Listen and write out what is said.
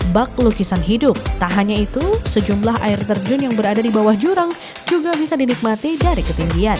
bak lukisan hidup tak hanya itu sejumlah air terjun yang berada di bawah jurang juga bisa dinikmati dari ketinggian